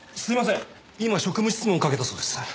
今職務質問をかけたそうです。